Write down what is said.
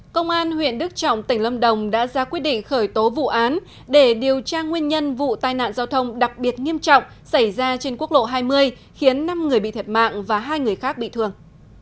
công an huyện đức trọng tỉnh lâm đồng đã ra quyết định khởi tố vụ án để điều tra nguyên nhân vụ tai nạn giao thông đặc biệt nghiêm trọng xảy ra trên quốc lộ hai mươi khiến năm người bị thiệt mạng và hai người khác bị thương